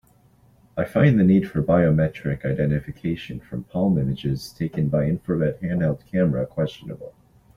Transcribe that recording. I find the need for biometric identification from palm images taken by infrared handheld camera questionable.